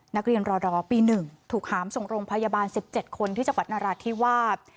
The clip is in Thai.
นักเรียนรอดอปี๑ถูกหามส่งโรงพยาบาล๑๗คนที่จังหวัดนราธิวาส